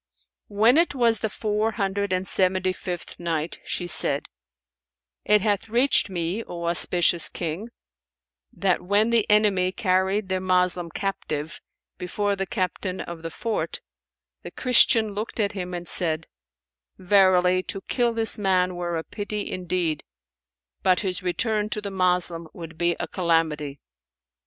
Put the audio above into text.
When it was the Four Hundred and Seventy fifth Night, She said, It hath reached me, O auspicious King, that when the enemy carried their Moslem captive before the Captain of the fort, the Christian looked at him and said, "Verily to kill this man were a pity indeed; but his return to the Moslem would be a calamity.